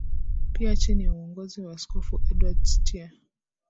Pia chini ya uongozi wa Askofu Edward Steere